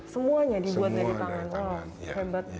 semuanya dibuat oleh tangan ya